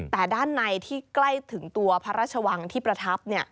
แต่ด้านในที่ใกล้ถึงตัวพระราชวังที่ประทับ